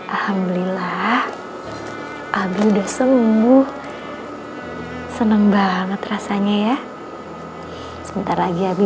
alhamdulillah abi udah sembuh seneng banget rasanya ya sebentar lagi abi